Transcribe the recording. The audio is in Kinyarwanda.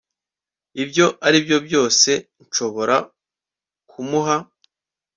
ibyo aribyo byose nshobora kumuha